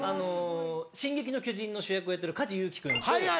『進撃の巨人』の主役をやってる梶裕貴君と。